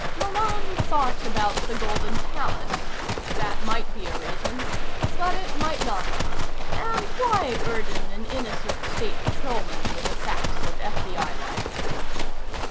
Malone thought about the Golden Palace. That might be a reason but it might not. And why burden an innocent State Patrolman with the facts of FBI life?